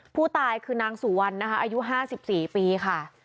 ผู้ตายคือนางสุวรรณนะคะอายุ๕๔ปีค่ะ